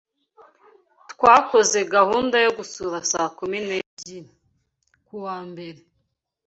Twakoze gahunda yo guhura saa kumi n'ebyiri. ku wa mbere.